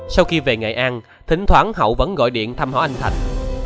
sau khi về nghệ an thỉnh thoảng hậu vẫn gọi điện thăm hỏi anh thạch